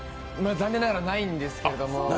残念ながらないんですけども。